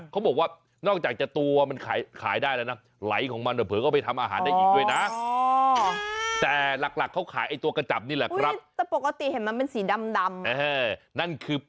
เขาบอกว่านอกจากจะตัวมันขายได้แล้วนะ